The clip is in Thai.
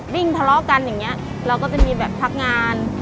วิ่งทะเลาะกันอย่างนี้เราก็จะมีแบบพักงาน